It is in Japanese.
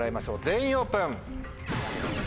全員オープン！